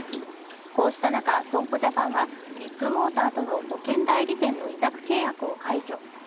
こうした中、損保ジャパンはビッグモーターとの保険代理店の委託契約を解除。